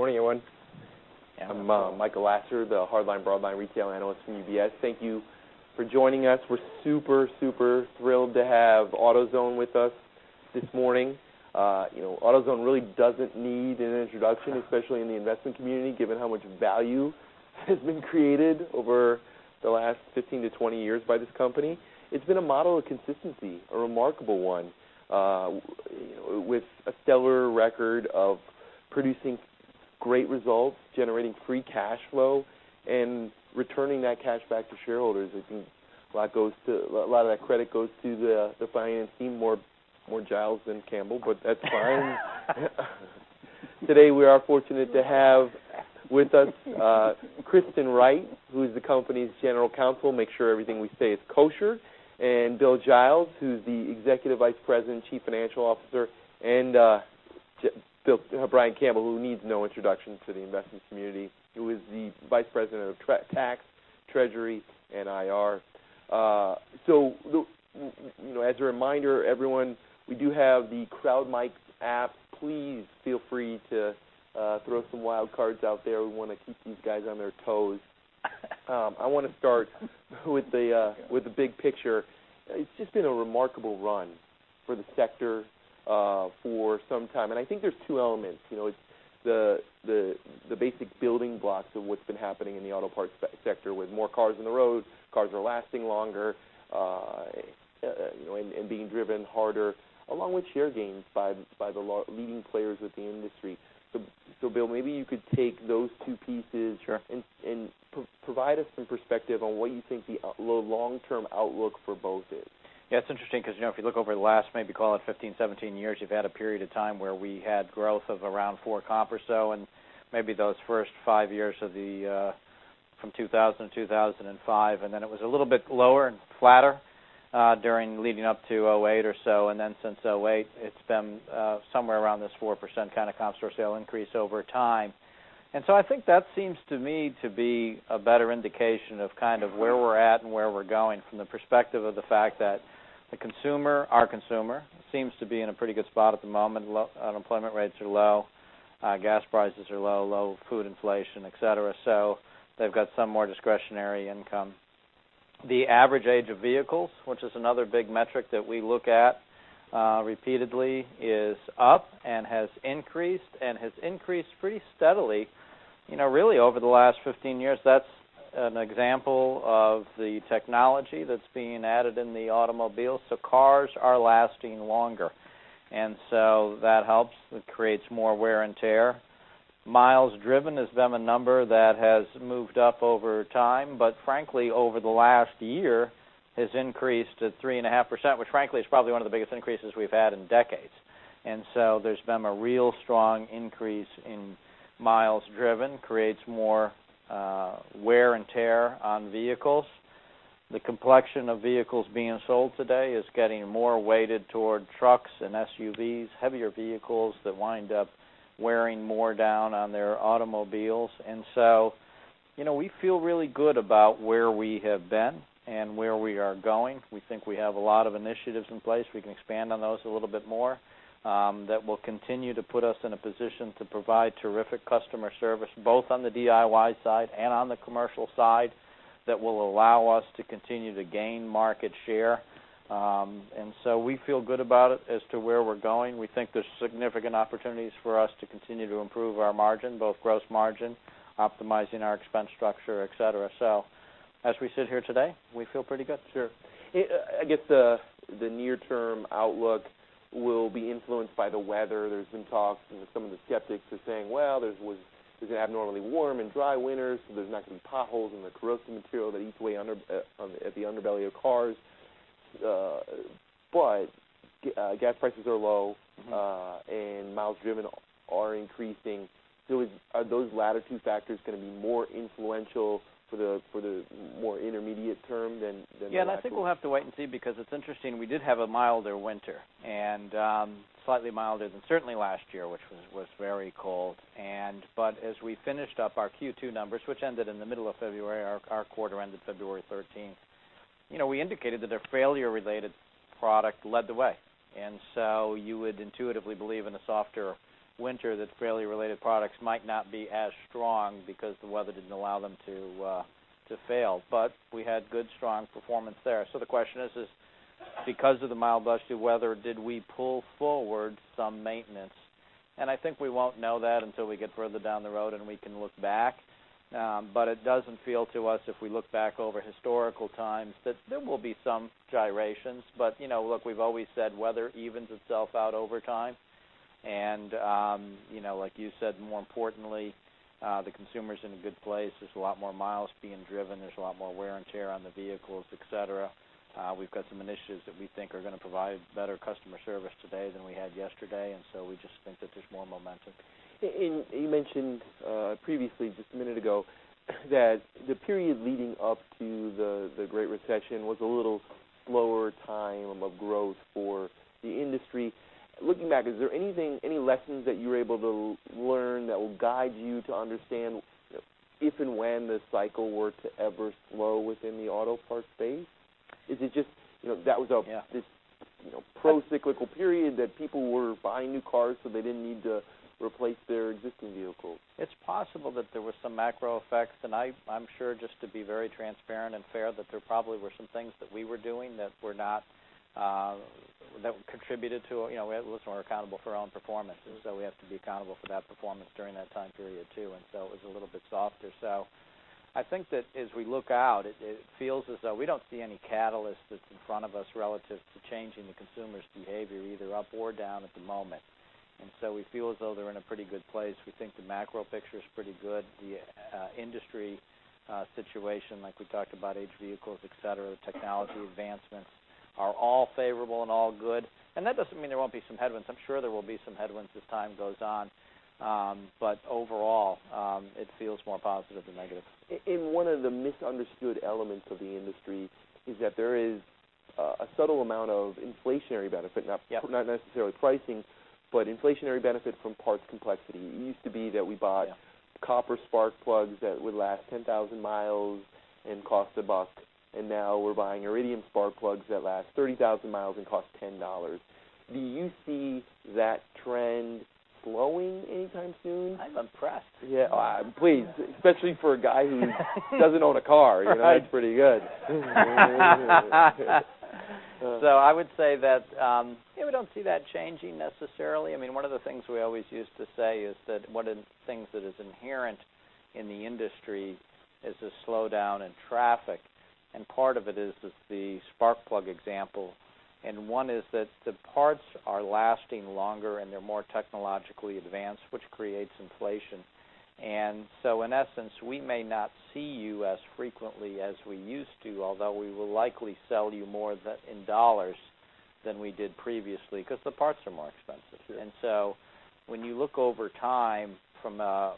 Thank you. Morning, everyone. I'm Michael Lasser, the Hardline/Broadline retail analyst from UBS. Thank you for joining us. We're super thrilled to have AutoZone with us this morning. AutoZone really doesn't need an introduction, especially in the investment community, given how much value has been created over the last 15-20 years by this company. It's been a model of consistency, a remarkable one, with a stellar record of producing great results, generating free cash flow, and returning that cash back to shareholders. I think a lot of that credit goes to the finance team, more Giles than Campbell, but that's fine. Today we are fortunate to have with us Kristen Wright, who is the company's general counsel, makes sure everything we say is kosher, Bill Giles, who's the Executive Vice President, Chief Financial Officer, and Brian Campbell, who needs no introduction to the investment community, who is the Vice President of Tax, Treasury, and IR. As a reminder, everyone, we do have the Crowd Mics app. Please feel free to throw some wild cards out there. We want to keep these guys on their toes. I want to start with the big picture. It's just been a remarkable run for the sector for some time, and I think there's two elements. It's the basic building blocks of what's been happening in the auto parts sector with more cars on the road, cars are lasting longer, and being driven harder, along with share gains by the leading players with the industry. Bill, maybe you could take those two pieces- Sure provide us some perspective on what you think the long-term outlook for both is. Yeah, it's interesting because if you look over the last, maybe call it 15, 17 years, you've had a period of time where we had growth of around 4 comp or so in maybe those first five years from 2000 to 2005. Then it was a little bit lower and flatter leading up to 2008 or so. Then since 2008, it's been somewhere around this 4% kind of comp store sale increase over time. I think that seems to me to be a better indication of where we're at and where we're going from the perspective of the fact that the consumer, our consumer, seems to be in a pretty good spot at the moment. Unemployment rates are low, gas prices are low, low food inflation, et cetera, so they've got some more discretionary income. The average age of vehicles, which is another big metric that we look at repeatedly, is up and has increased, and has increased pretty steadily really over the last 15 years. That's an example of the technology that's being added in the automobile. Cars are lasting longer, and so that helps. It creates more wear and tear. Miles driven has been a number that has moved up over time, but frankly, over the last year, has increased at 3.5%, which frankly is probably one of the biggest increases we've had in decades. There's been a real strong increase in miles driven, creates more wear and tear on vehicles. The complexion of vehicles being sold today is getting more weighted toward trucks and SUVs, heavier vehicles that wind up wearing more down on their automobiles. We feel really good about where we have been and where we are going. We think we have a lot of initiatives in place, we can expand on those a little bit more, that will continue to put us in a position to provide terrific customer service, both on the DIY side and on the commercial side, that will allow us to continue to gain market share. We feel good about it as to where we're going. We think there's significant opportunities for us to continue to improve our margin, both gross margin, optimizing our expense structure, et cetera. As we sit here today, we feel pretty good. Sure. I guess the near-term outlook will be influenced by the weather. There's been talks and some of the skeptics are saying, "Well, there's an abnormally warm and dry winter, so there's not going to be potholes and the corrosive material that eats away at the underbelly of cars." Gas prices are low. Miles driven are increasing. Are those latter two factors going to be more influential for the more intermediate term than the actual- I think we'll have to wait and see because it's interesting, we did have a milder winter, slightly milder than certainly last year, which was very cold. As we finished up our Q2 numbers, which ended in the middle of February, our quarter ended February 13th, we indicated that their failure-related product led the way. You would intuitively believe in a softer winter that failure-related products might not be as strong because the weather didn't allow them to fail. We had good, strong performance there. The question is, because of the mild weather, did we pull forward some maintenance? I think we won't know that until we get further down the road, and we can look back. It doesn't feel to us, if we look back over historical times, that there will be some gyrations. Look, we've always said weather evens itself out over time, like you said, more importantly, the consumer's in a good place. There's a lot more miles being driven. There's a lot more wear and tear on the vehicles, et cetera. We've got some initiatives that we think are going to provide better customer service today than we had yesterday, we just think that there's more momentum. You mentioned previously, just a minute ago, that the period leading up to the Great Recession was a little slower time of growth for the industry. Looking back, is there any lessons that you were able to learn that will guide you to understand if and when this cycle were to ever slow within the auto parts space? Is it just that was a- Yeah this procyclical period that people were buying new cars, so they didn't need to replace their existing vehicle? It's possible that there were some macro effects, and I'm sure, just to be very transparent and fair, that there probably were some things that we were doing that contributed to it. We're accountable for our own performance. We have to be accountable for that performance during that time period, too. It was a little bit softer. I think that as we look out, it feels as though we don't see any catalyst that's in front of us relative to changing the consumer's behavior, either up or down, at the moment. We feel as though they're in a pretty good place. We think the macro picture is pretty good. The industry situation, like we talked about, aged vehicles, et cetera, technology advancements, are all favorable and all good. That doesn't mean there won't be some headwinds. I'm sure there will be some headwinds as time goes on. Overall, it feels more positive than negative. One of the misunderstood elements of the industry is that there is a subtle amount of inflationary benefit. Yep. Not necessarily pricing, but inflationary benefit from parts complexity. It used to be that we bought- Yeah copper spark plugs that would last 10,000 miles and cost $1, and now we're buying iridium spark plugs that last 30,000 miles and cost $10. Do you see that trend slowing anytime soon? I'm impressed. Yeah. Please, especially for a guy doesn't own a car. Right. That's pretty good. I would say that, yeah, we don't see that changing necessarily. One of the things we always used to say is that one of the things that is inherent in the industry is the slowdown in traffic, and part of it is the spark plug example. One is that the parts are lasting longer, and they're more technologically advanced, which creates inflation. In essence, we may not see you as frequently as we used to, although we will likely sell you more in $ than we did previously, because the parts are more expensive. Sure. When you look over time from a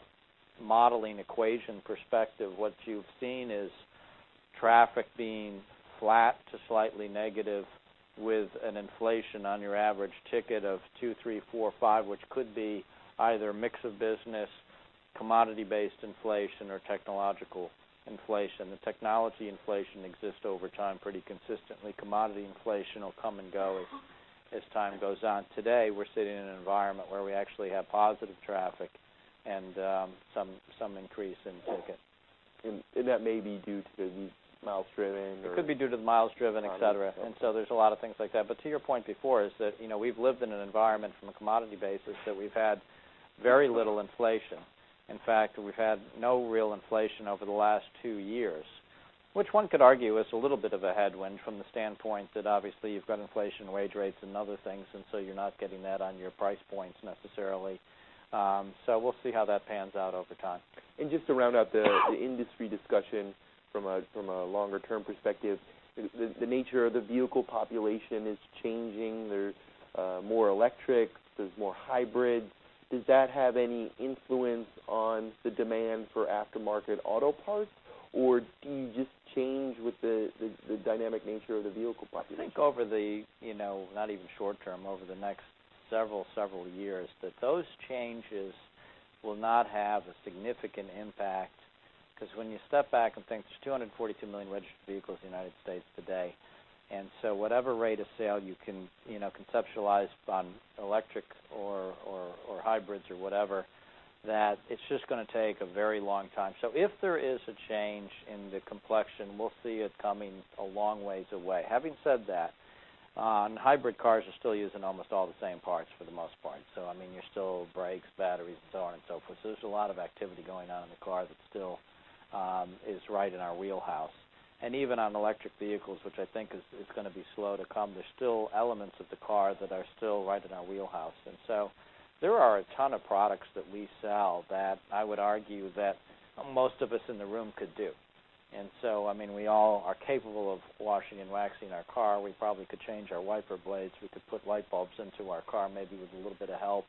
modeling equation perspective, what you've seen is traffic being flat to slightly negative with an inflation on your average ticket of two, three, four, five, which could be either a mix of business, commodity-based inflation, or technological inflation. The technology inflation exists over time pretty consistently. Commodity inflation will come and go as time goes on. Today, we're sitting in an environment where we actually have positive traffic and some increase in ticket. That may be due to the miles driven or. It could be due to the miles driven, et cetera. Okay. There's a lot of things like that. To your point before, is that we've lived in an environment from a commodity basis that we've had very little inflation. In fact, we've had no real inflation over the last two years, which one could argue is a little bit of a headwind from the standpoint that obviously you've got inflation, wage rates, and other things, you're not getting that on your price points necessarily. We'll see how that pans out over time. Just to round out the industry discussion from a longer-term perspective, the nature of the vehicle population is changing. There's more electrics, there's more hybrids. Does that have any influence on the demand for aftermarket auto parts, or do you just change with the dynamic nature of the vehicle population? I think over the, not even short-term, over the next several years, that those changes will not have a significant impact. Because when you step back and think, there's 242 million registered vehicles in the United States today, whatever rate of sale you can conceptualize on electric or hybrids or whatever, that it's just going to take a very long time. If there is a change in the complexion, we'll see it coming a long ways away. Having said that, hybrid cars are still using almost all the same parts for the most part, there's still brakes, batteries, and so on and so forth. There's a lot of activity going on in the car that still is right in our wheelhouse. Even on electric vehicles, which I think is going to be slow to come, there's still elements of the car that are still right in our wheelhouse. There are a ton of products that we sell that I would argue that most of us in the room could do. We all are capable of washing and waxing our car. We probably could change our wiper blades. We could put light bulbs into our car, maybe with a little bit of help.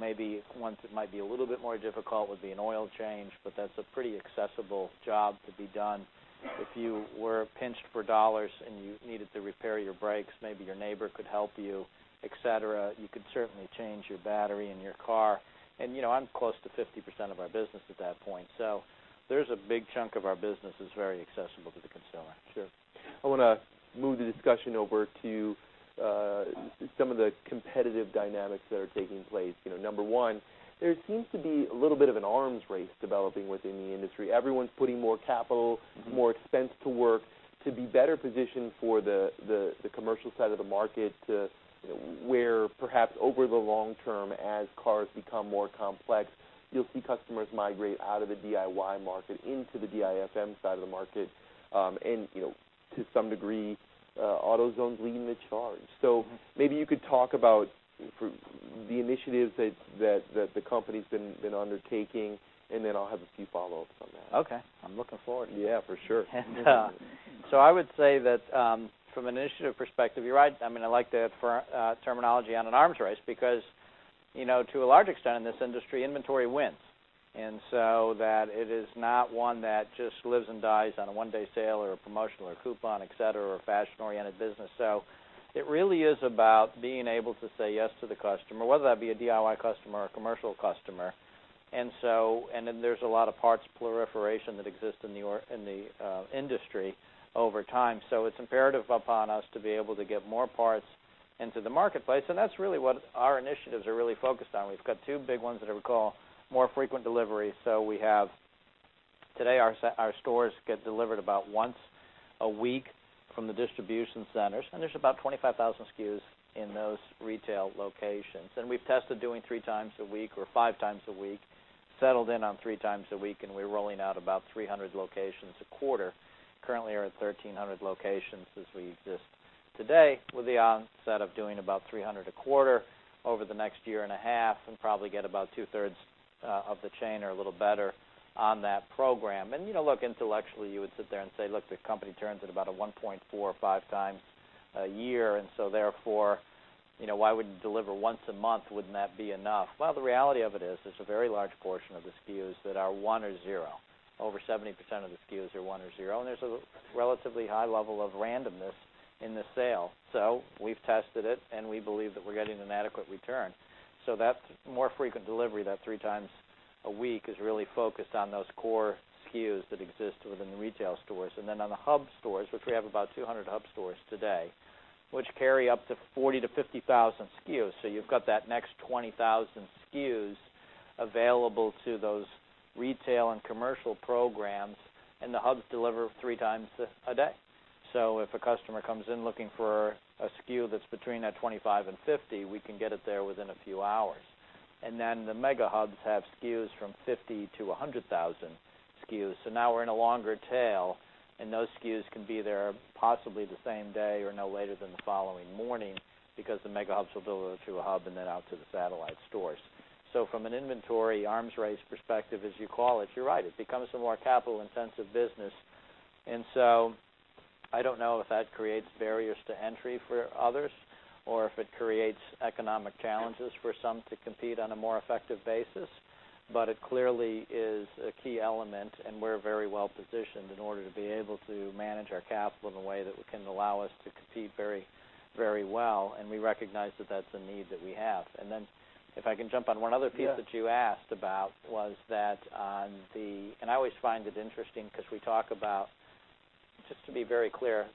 Maybe ones that might be a little bit more difficult would be an oil change, but that's a pretty accessible job to be done. If you were pinched for dollars and you needed to repair your brakes, maybe your neighbor could help you, et cetera. You could certainly change your battery in your car. I'm close to 50% of our business at that point. There's a big chunk of our business that's very accessible to the consumer. Sure. I want to move the discussion over to some of the competitive dynamics that are taking place. Number one, there seems to be a little bit of an arms race developing within the industry. Everyone's putting more capital- more expense to work to be better positioned for the commercial side of the market, to where perhaps over the long term, as cars become more complex, you'll see customers migrate out of the DIY market into the DIFM side of the market. To some degree, AutoZone's leading the charge. Maybe you could talk about the initiatives that the company's been undertaking, and then I'll have a few follow-ups on that. Okay. I'm looking forward to that. Yeah, for sure. I would say that from an initiative perspective, you're right. I like the terminology on an arms race because, to a large extent in this industry, inventory wins. That it is not one that just lives and dies on a one-day sale or a promotional or coupon, et cetera, or fashion-oriented business. It really is about being able to say yes to the customer, whether that be a DIY customer or a commercial customer. There's a lot of parts proliferation that exist in the industry over time. It's imperative upon us to be able to get more parts into the marketplace, and that's really what our initiatives are really focused on. We've got two big ones that I would call more frequent delivery. We have today, our stores get delivered about once a week from the distribution centers, and there's about 25,000 SKUs in those retail locations. We've tested doing three times a week or five times a week, settled in on three times a week, and we're rolling out about 300 locations a quarter. Currently are at 1,300 locations as we exist today, with the onset of doing about 300 a quarter over the next year and a half, and probably get about two-thirds of the chain or a little better on that program. Look, intellectually, you would sit there and say, "Look, the company turns at about a 1.4 or five times a year, therefore, why wouldn't you deliver once a month? Wouldn't that be enough?" The reality of it is, there's a very large portion of the SKUs that are one or zero. Over 70% of the SKUs are one or zero, and there's a relatively high level of randomness in the sale. We've tested it, and we believe that we're getting an adequate return. That more frequent delivery, that three times a week, is really focused on those core SKUs that exist within the retail stores. Then on the hub stores, which we have about 200 hub stores today, which carry up to 40,000 to 50,000 SKUs. You've got that next 20,000 SKUs available to those retail and commercial programs, and the hubs deliver three times a day. If a customer comes in looking for a SKU that's between that 25 and 50, we can get it there within a few hours. Then the mega hubs have SKUs from 50 to 100,000 SKUs. Now we're in a longer tail, and those SKUs can be there possibly the same day or no later than the following morning because the mega hubs will deliver through a hub and then out to the satellite stores. From an inventory arms race perspective, as you call it, you're right. It becomes a more capital-intensive business. I don't know if that creates barriers to entry for others or if it creates economic challenges for some to compete on a more effective basis, but it clearly is a key element, and we're very well-positioned in order to be able to manage our capital in a way that can allow us to compete very well. We recognize that that's a need that we have. If I can jump on one other piece- Yeah that you asked about was that on the I always find it interesting because we talk about, just to be very clear,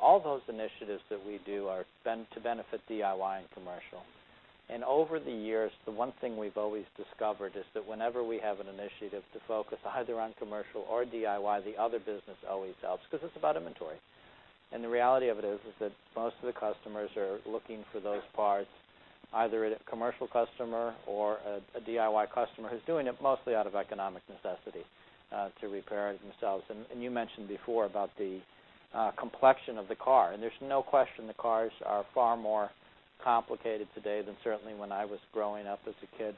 all those initiatives that we do are to benefit DIY and commercial. Over the years, the one thing we've always discovered is that whenever we have an initiative to focus either on commercial or DIY, the other business always helps because it's about inventory. The reality of it is that most of the customers are looking for those parts, either a commercial customer or a DIY customer who's doing it mostly out of economic necessity, to repair it themselves. You mentioned before about the complexion of the car, and there's no question the cars are far more complicated today than certainly when I was growing up as a kid.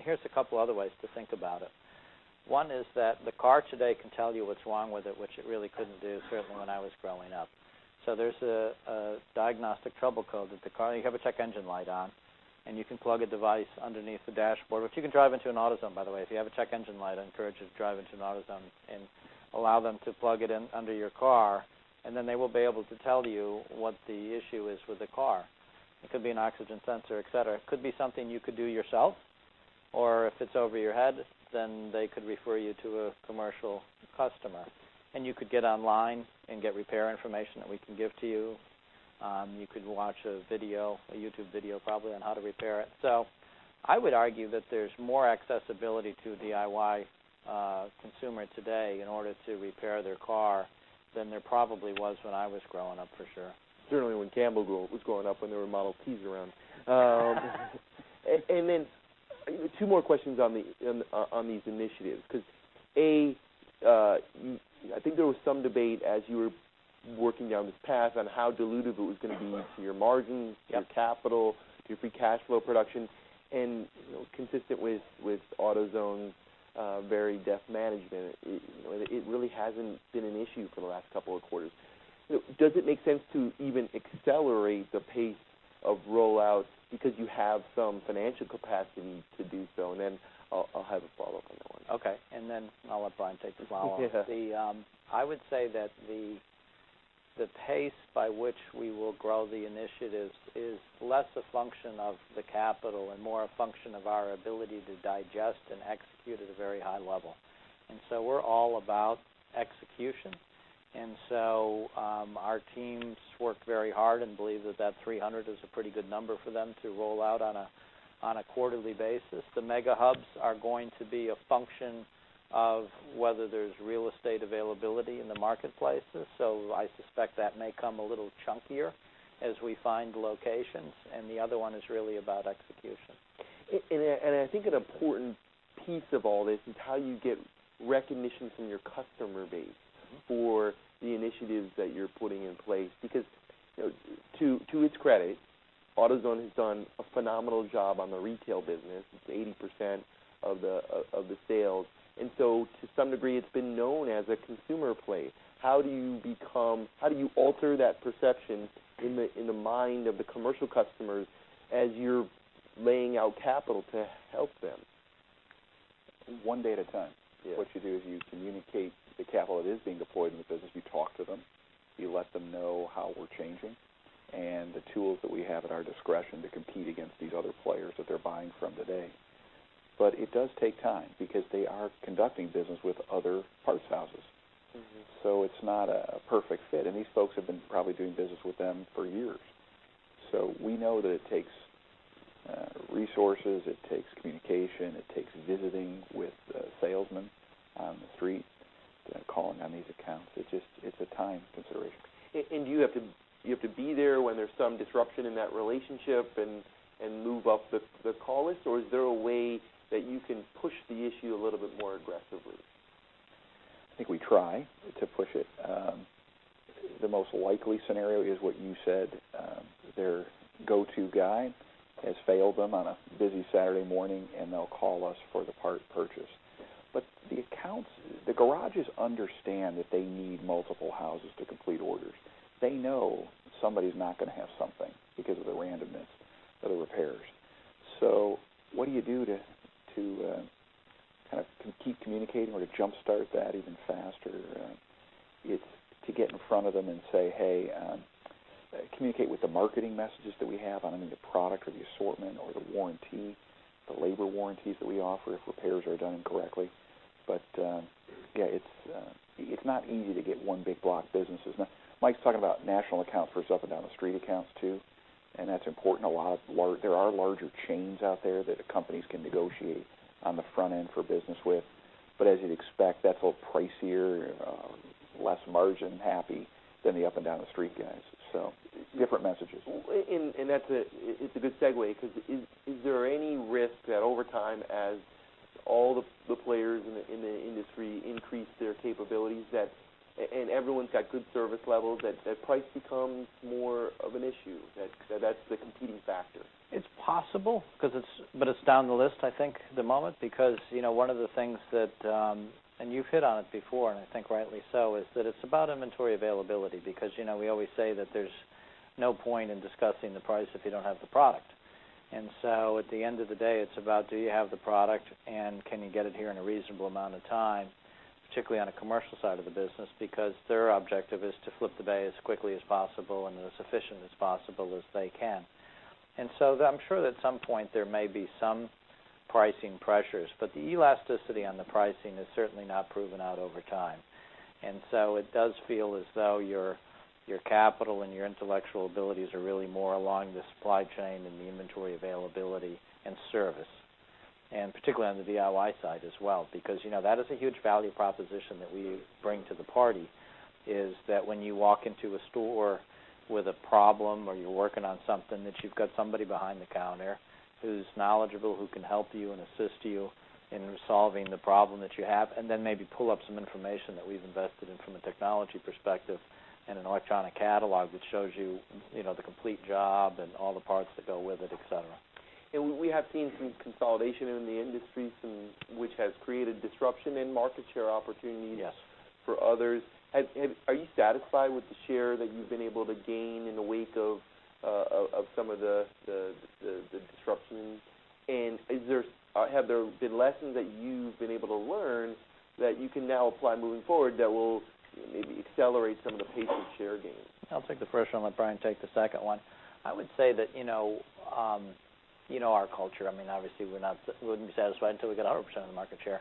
Here's a couple other ways to think about it. One is that the car today can tell you what's wrong with it, which it really couldn't do certainly when I was growing up. There's a diagnostic trouble code that the car, you have a check engine light on, and you can plug a device underneath the dashboard, which you can drive into an AutoZone, by the way. If you have a check engine light, I encourage you to drive into an AutoZone and allow them to plug it in under your car, and then they will be able to tell you what the issue is with the car. It could be an oxygen sensor, et cetera. It could be something you could do yourself, or if it's over your head, then they could refer you to a commercial customer. You could get online and get repair information that we can give to you. You could watch a video, a YouTube video probably, on how to repair it. I would argue that there's more accessibility to DIY consumer today in order to repair their car than there probably was when I was growing up, for sure. Certainly when Campbell grew, was growing up, when there were Model T around. Two more questions on these initiatives, because, A, I think there was some debate as you were working down this path on how dilutive it was going to be to your margins- Yep to your capital, to your free cash flow production. Consistent with AutoZone's very deft management, it really hasn't been an issue for the last couple of quarters. Does it make sense to even accelerate the pace of rollout because you have some financial capacity to do so? I'll have a follow-up on that one. Okay. I'll let Brian take the follow-up. Yeah. I would say that the pace by which we will grow the initiatives is less a function of the capital and more a function of our ability to digest and execute at a very high level. We're all about execution. Our teams work very hard and believe that that 300 is a pretty good number for them to roll out on a quarterly basis. The mega hubs are going to be a function of whether there's real estate availability in the marketplaces. I suspect that may come a little chunkier as we find locations. The other one is really about execution. I think an important piece of all this is how you get recognition from your customer base for the initiatives that you're putting in place. Because, to its credit, AutoZone has done a phenomenal job on the retail business. It's 80% of the sales. To some degree, it's been known as a consumer play. How do you alter that perception in the mind of the commercial customers as you're laying out capital to help them? One day at a time. Yeah. What you do is you communicate the capital that is being deployed in the business. You talk to them. You let them know how we're changing, and the tools that we have at our discretion to compete against these other players that they're buying from today. It does take time, because they are conducting business with other parts houses. It's not a perfect fit, and these folks have been probably doing business with them for years. We know that it takes resources, it takes communication, it takes visiting with salesmen on the street, calling on these accounts. It's a time consideration. Do you have to be there when there's some disruption in that relationship and move up the call list, or is there a way that you can push the issue a little bit more aggressively? I think we try to push it. The most likely scenario is what you said, their go-to guy has failed them on a busy Saturday morning, and they'll call us for the part purchase. Yeah. The garages understand that they need multiple houses to complete orders. They know somebody's not going to have something because of the randomness of the repairs. What do you do to keep communicating or to jumpstart that even faster? It's to get in front of them and say, "Hey," communicate with the marketing messages that we have on the product or the assortment or the warranty, the labor warranties that we offer if repairs are done incorrectly. Yeah, it's not easy to get one big block of businesses. Mike's talking about national accounts versus up and down the street accounts too, and that's important. There are larger chains out there that companies can negotiate on the front end for business with. As you'd expect, that's a little pricier, less margin happy than the up and down the street guys. Different messages. It's a good segue, because is there any risk that over time as all the players in the industry increase their capabilities, and everyone's got good service levels, that price becomes more of an issue, that that's the competing factor? It's possible, but it's down the list, I think, at the moment, because one of the things that, and you've hit on it before, and I think rightly so, is that it's about inventory availability because we always say that there's no point in discussing the price if you don't have the product. At the end of the day, it's about do you have the product, and can you get it here in a reasonable amount of time, particularly on the commercial side of the business, because their objective is to flip the bay as quickly as possible and as efficiently as possible as they can. I'm sure that at some point there may be some pricing pressures, but the elasticity on the pricing has certainly not proven out over time. It does feel as though your capital and your intellectual abilities are really more along the supply chain and the inventory availability and service, and particularly on the DIY side as well. Because that is a huge value proposition that we bring to the party, is that when you walk into a store with a problem or you're working on something, that you've got somebody behind the counter who's knowledgeable, who can help you and assist you in resolving the problem that you have, and then maybe pull up some information that we've invested in from a technology perspective and an electronic catalog which shows you the complete job and all the parts that go with it, et cetera. We have seen some consolidation in the industry, which has created disruption in market share opportunities. Yes For others. Are you satisfied with the share that you've been able to gain in the wake of some of the disruption? Have there been lessons that you've been able to learn that you can now apply moving forward that will maybe accelerate some of the pace of share gains? I'll take the first one. Let Brian take the second one. I would say that you know our culture. Obviously we wouldn't be satisfied until we get 100% of the market share.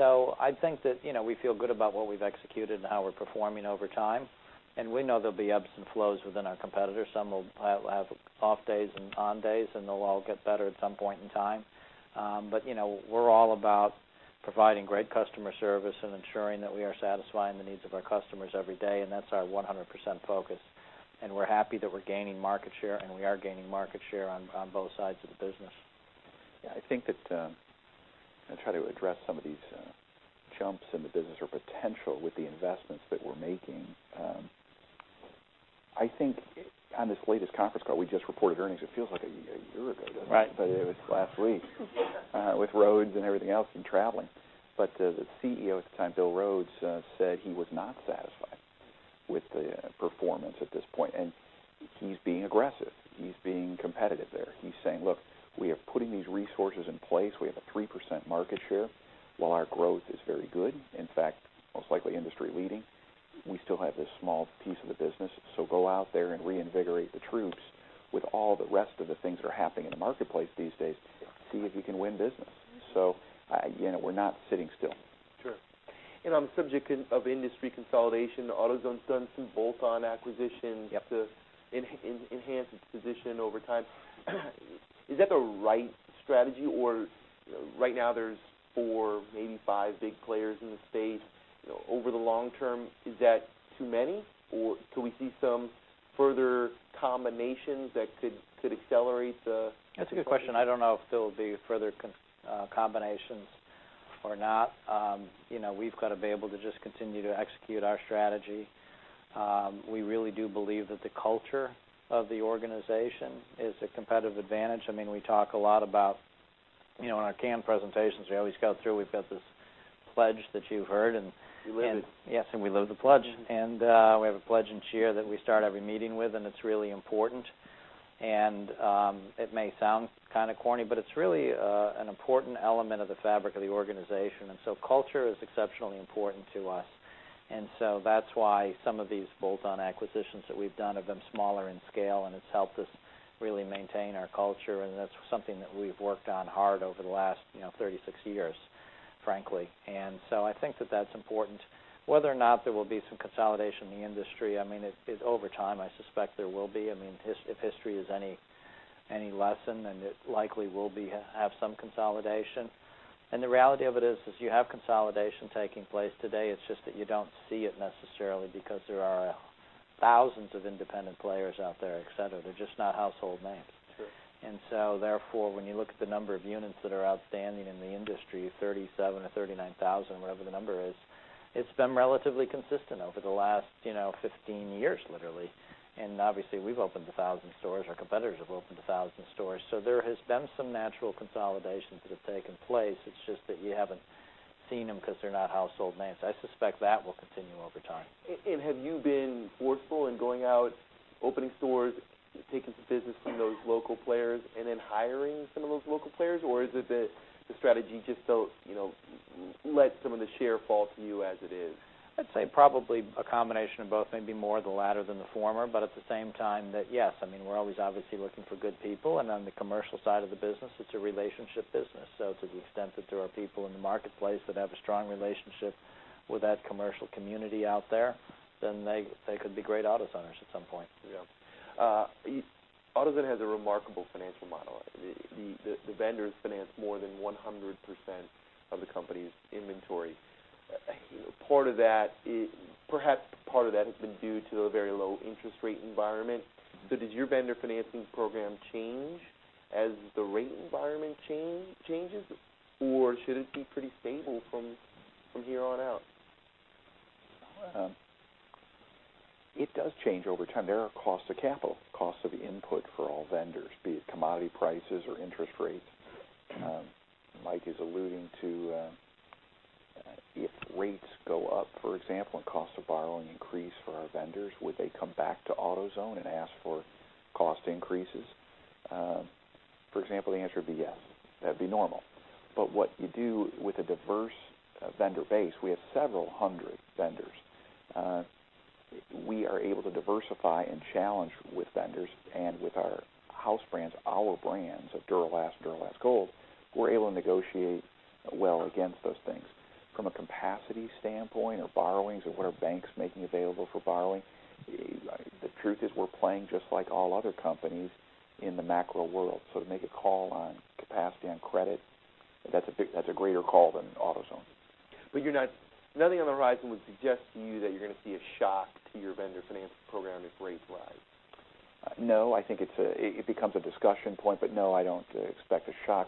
I think that we feel good about what we've executed and how we're performing over time, and we know there'll be ebbs and flows within our competitors. Some will have off days and on days, and they'll all get better at some point in time. We're all about providing great customer service and ensuring that we are satisfying the needs of our customers every day, and that's our 100% focus. We're happy that we're gaining market share, and we are gaining market share on both sides of the business. Yeah, I think that I'll try to address some of these jumps in the business or potential with the investments that we're making. I think on this latest conference call, we just reported earnings. It feels like a year ago, doesn't it? Right. It was last week, with Rhodes and everything else, and traveling. The CEO at the time, Bill Rhodes, said he was not satisfied with the performance at this point. He's being aggressive. He's being competitive there. He's saying, "Look, we are putting these resources in place. We have a 3% market share. While our growth is very good, in fact, most likely industry leading, we still have this small piece of the business. Go out there and reinvigorate the troops with all the rest of the things that are happening in the marketplace these days. See if you can win business." We're not sitting still. Sure. On the subject of industry consolidation, AutoZone's done some bolt-on acquisitions to enhance its position over time. Is that the right strategy or right now there's four, maybe five big players in the space. Over the long term, is that too many, or could we see some further combinations that could accelerate. That's a good question. I don't know if there'll be further combinations or not. We've got to be able to just continue to execute our strategy. We really do believe that the culture of the organization is a competitive advantage. We talk a lot about in our canned presentations, we always go through, we've got this Pledge that you've heard. We live it. Yes, we live the Pledge. We have a Pledge and cheer that we start every meeting with, and it's really important. It may sound kind of corny, but it's really an important element of the fabric of the organization. Culture is exceptionally important to us. That's why some of these bolt-on acquisitions that we've done have been smaller in scale, and it's helped us really maintain our culture, and that's something that we've worked on hard over the last 36 years, frankly. I think that that's important. Whether or not there will be some consolidation in the industry, over time, I suspect there will be. If history is any lesson, then it likely will have some consolidation. The reality of it is you have consolidation taking place today, it's just that you don't see it necessarily because there are thousands of independent players out there, et cetera. They're just not household names. Sure. When you look at the number of units that are outstanding in the industry, 37 or 39,000, whatever the number is, it's been relatively consistent over the last 15 years, literally. Obviously, we've opened 1,000 stores. Our competitors have opened 1,000 stores. There has been some natural consolidations that have taken place. It's just that you haven't seen them because they're not household names. I suspect that will continue over time. Have you been forceful in going out, opening stores, taking some business from those local players, and then hiring some of those local players? Or is it that the strategy just let some of the share fall to you as it is? I'd say probably a combination of both, maybe more of the latter than the former, but at the same time that, yes, we're always obviously looking for good people, and on the commercial side of the business, it's a relationship business. To the extent that there are people in the marketplace that have a strong relationship with that commercial community out there, then they could be great AutoZoners at some point. Yeah. AutoZone has a remarkable financial model. The vendors finance more than 100% of the company's inventory. Perhaps part of that has been due to a very low interest rate environment. Does your vendor financing program change as the rate environment changes? Should it be pretty stable from here on out? It does change over time. There are costs of capital, costs of input for all vendors, be it commodity prices or interest rates. Mike is alluding to if rates go up, for example, and cost of borrowing increase for our vendors, would they come back to AutoZone and ask for cost increases? For example, the answer would be yes. That'd be normal. What you do with a diverse vendor base, we have several hundred vendors. We are able to diversify and challenge with vendors and with our house brands, our brands of Duralast and Duralast Gold, we're able to negotiate well against those things. From a capacity standpoint or borrowings or what are banks making available for borrowing, the truth is we're playing just like all other companies in the macro world. To make a call on capacity on credit, that's a greater call than AutoZone. Nothing on the horizon would suggest to you that you're going to see a shock to your vendor financing program if rates rise? No, I think it becomes a discussion point, but no, I don't expect a shock.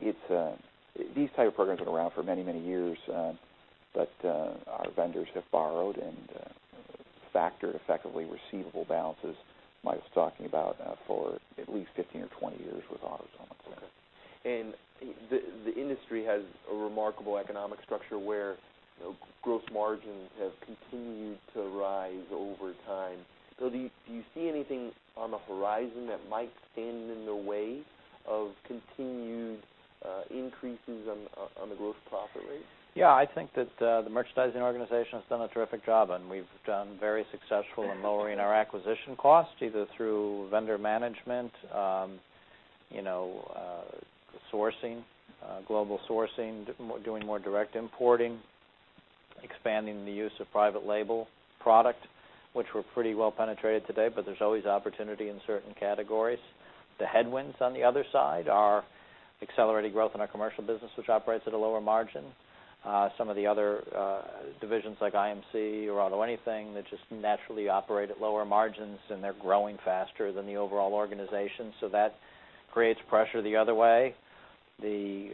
These type of programs have been around for many, many years, but our vendors have borrowed and factored effectively receivable balances Mike was talking about for at least 15 or 20 years with AutoZone. Okay. The industry has a remarkable economic structure where gross margins have continued to rise over time. Do you see anything on the horizon that might stand in the way of continued increases on the gross profit rate? Yeah, I think that the merchandising organization has done a terrific job, and we've done very successful in lowering our acquisition costs, either through vendor management, sourcing, global sourcing, doing more direct importing, expanding the use of private label product, which we're pretty well penetrated today, but there's always opportunity in certain categories. The headwinds on the other side are accelerating growth in our commercial business, which operates at a lower margin. Some of the other divisions like Interamerican Motor Corporation or AutoAnything that just naturally operate at lower margins, and they're growing faster than the overall organization, so that creates pressure the other way. The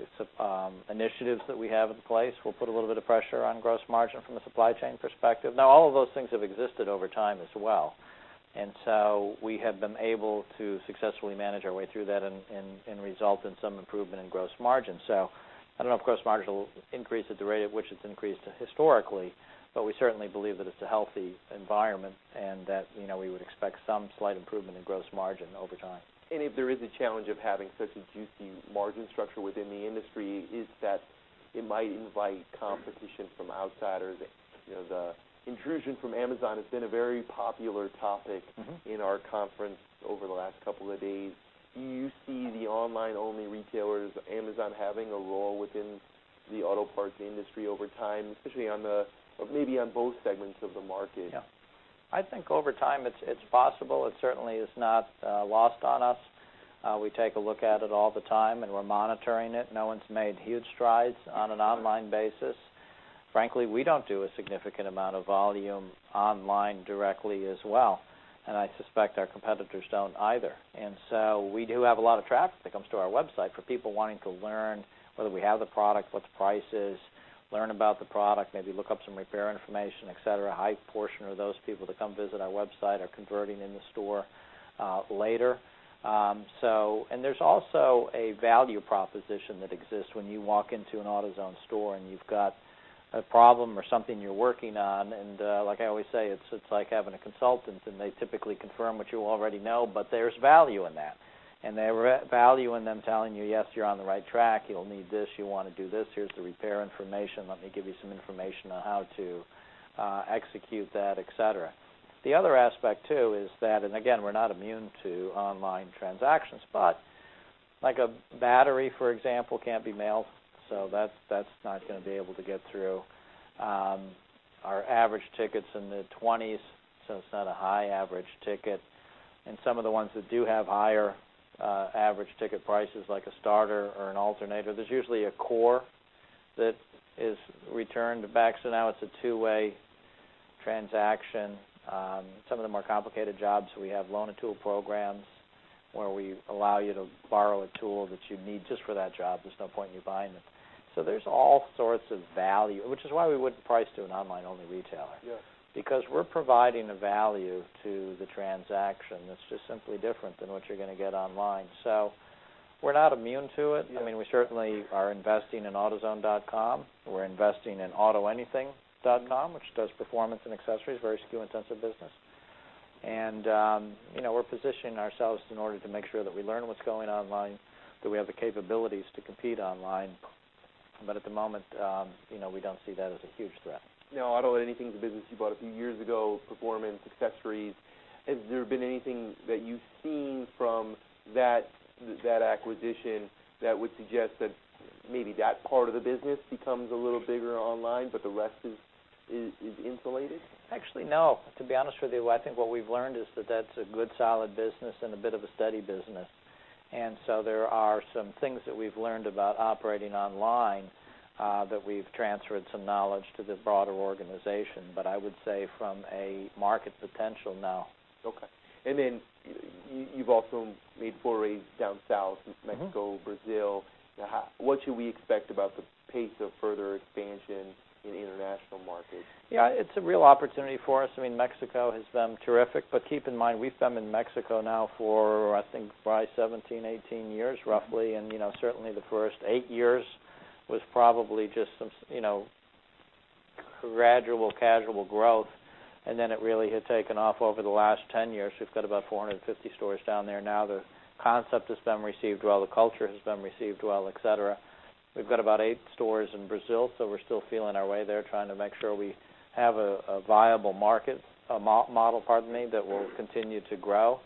initiatives that we have in place will put a little bit of pressure on gross margin from a supply chain perspective. Now, all of those things have existed over time as well, and so we have been able to successfully manage our way through that and result in some improvement in gross margin. I don't know if gross margin will increase at the rate at which it's increased historically, but we certainly believe that it's a healthy environment and that we would expect some slight improvement in gross margin over time. If there is a challenge of having such a juicy margin structure within the industry, is that it might invite competition from outsiders. The intrusion from Amazon has been a very popular topic in our conference over the last couple of days. Do you see the online-only retailers, Amazon, having a role within the auto parts industry over time, especially on the, or maybe on both segments of the market? I think over time it's possible. It certainly is not lost on us. We take a look at it all the time, and we're monitoring it. No one's made huge strides on an online basis. Frankly, we don't do a significant amount of volume online directly as well, and I suspect our competitors don't either. We do have a lot of traffic that comes to our website for people wanting to learn whether we have the product, what the price is, learn about the product, maybe look up some repair information, et cetera. A high portion of those people that come visit our website are converting in the store later. There's also a value proposition that exists when you walk into an AutoZone store and you've got a problem or something you're working on, like I always say, it's like having a consultant, and they typically confirm what you already know, but there's value in that. There's value in them telling you, "Yes, you're on the right track. You'll need this. You'll want to do this. Here's the repair information. Let me give you some information on how to execute that," et cetera. The other aspect, too, is that, again, we're not immune to online transactions, but like a battery, for example, can't be mailed, so that's not going to be able to get through. Our average ticket's in the 20s, so it's not a high average ticket. Some of the ones that do have higher average ticket prices, like a starter or an alternator, there's usually a core that is returned back, so now it's a two-way transaction. Some of the more complicated jobs, we have Loan-A-Tool programs, where we allow you to borrow a tool that you'd need just for that job. There's no point in you buying it. There's all sorts of value, which is why we wouldn't price to an online-only retailer. Yes. Because we're providing a value to the transaction that's just simply different than what you're going to get online. We're not immune to it. Yeah. I mean, we certainly are investing in autozone.com. We're investing in autoanything.com, which does performance and accessories, very SKU-intensive business. We're positioning ourselves in order to make sure that we learn what's going on online, that we have the capabilities to compete online. At the moment, we don't see that as a huge threat. AutoAnything's a business you bought a few years ago, performance, accessories. Has there been anything that you've seen from that acquisition that would suggest that maybe that part of the business becomes a little bigger online, but the rest is insulated? Actually, no. To be honest with you, I think what we've learned is that that's a good, solid business and a bit of a steady business. There are some things that we've learned about operating online, that we've transferred some knowledge to the broader organization. I would say from a market potential, no. Okay. You've also made forays down south into Mexico- Brazil. What should we expect about the pace of further expansion in international markets? Yeah. It's a real opportunity for us. I mean, Mexico has been terrific. Keep in mind, we've been in Mexico now for, I think, probably 17, 18 years roughly, and certainly the first eight years was probably just some gradual, casual growth. Then it really had taken off over the last 10 years. We've got about 450 stores down there now. The concept has been received well, the culture has been received well, et cetera. We've got about eight stores in Brazil. We're still feeling our way there, trying to make sure we have a viable market, a model, pardon me, that will continue to grow.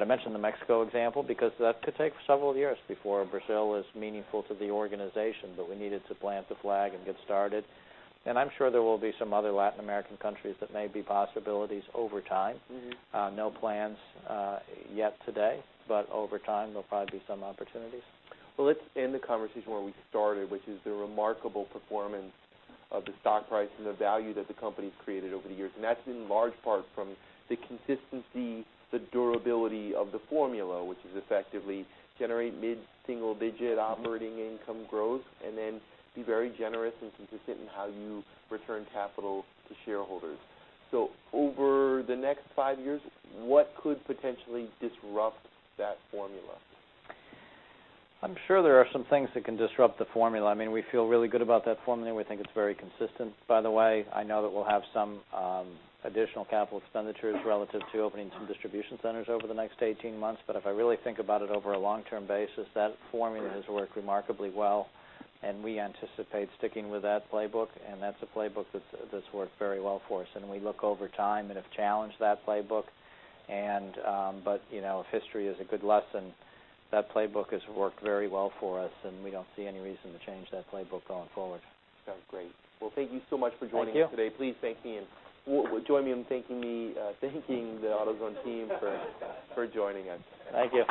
I mention the Mexico example because that could take several years before Brazil is meaningful to the organization, but we needed to plant the flag and get started. I'm sure there will be some other Latin American countries that may be possibilities over time. No plans yet today. Over time, there'll probably be some opportunities. Well, let's end the conversation where we started, which is the remarkable performance of the stock price and the value that the company's created over the years, that's in large part from the consistency, the durability of the formula, which is effectively generate mid-single-digit operating income growth, then be very generous and consistent in how you return capital to shareholders. Over the next five years, what could potentially disrupt that formula? I'm sure there are some things that can disrupt the formula. I mean, we feel really good about that formula. We think it's very consistent, by the way. I know that we'll have some additional capital expenditures relative to opening some distribution centers over the next 18 months. If I really think about it over a long-term basis, that formula has worked remarkably well, we anticipate sticking with that playbook, that's a playbook that's worked very well for us. We look over time and have challenged that playbook, if history is a good lesson, that playbook has worked very well for us, we don't see any reason to change that playbook going forward. Sounds great. Well, thank you so much for joining us today. Thank you. Well, join me in thanking me, thanking the AutoZone team for joining us. Thank you.